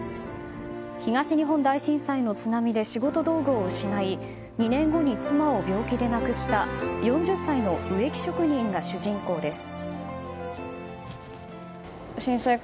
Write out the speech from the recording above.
東日本大震災の津波で仕事道具を失い２年後に妻を病気で亡くした４０歳の植木職人が主人公です。